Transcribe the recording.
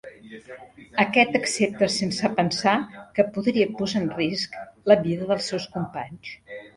Aquest accepta sense pensar que podria posar en risc la vida dels seus companys.